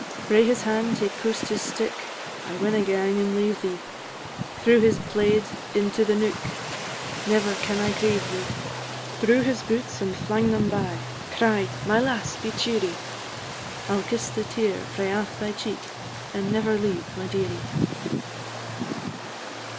Frae his hand he coost his stick; "I winna gang and leave thee;" Threw his plaid into the neuk; "Never can I grieve thee;" Drew his boots, and flang them by; cried, "My lass, be cheerie; I 'll kiss the tear frae aff thy cheek, and never leave my dearie."